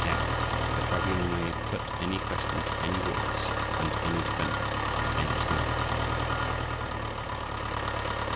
(f) The Tribunal may put any question to any witness and to any defendant, at any time.